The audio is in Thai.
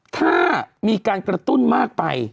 ถ้ามีการกระตุ้นมากไป